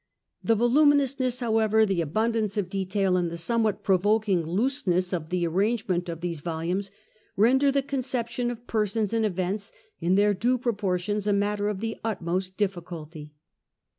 The voluminousness, however, the abundance of detail, and the somewhat provoking looseness of the arrangement of these volumes, render the conception of persons and events in their due proportions a matter of the utmost diffi culty.